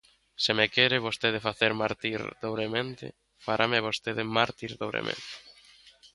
Se me quere vostede facer mártir dobremente, farame vostede mártir dobremente.